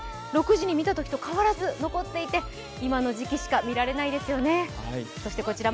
６時に見たときと変わらず残っていて、今の時期しか見られないですよね。